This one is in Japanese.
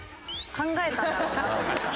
考えたんだろうなというか。